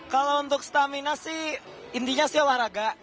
kalau untuk stamina sih intinya sih olahraga